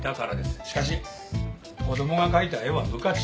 しかし子供が描いた絵は無価値。